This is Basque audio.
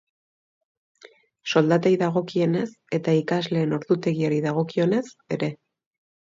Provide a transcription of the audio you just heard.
Soldatei dagokienez eta ikasleen ordutegiari dagokionez ere.